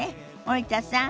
森田さん